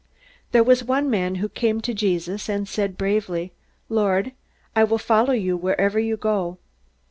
There was one man who came to Jesus, and said bravely, "Lord, I will follow you wherever you go!"